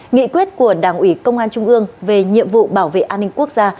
nghị quyết của đảng ủy công an trung ương về nhiệm vụ bảo vệ an ninh quốc gia